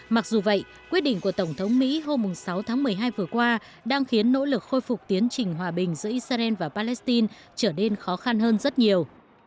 mặc dù vậy quyết định của tổng thống mỹ hôm sáu tháng một mươi hai vừa qua đang khiến nỗ lực khôi phục tiến trình hòa bình giữa israel và palestine trở nên khó khăn hơn rất nhiều